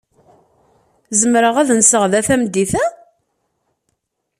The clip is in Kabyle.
Zemreɣ ad nseɣ da tameddit-a?